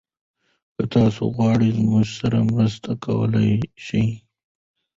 که تاسي وغواړئ، موږ مرسته کولی شو.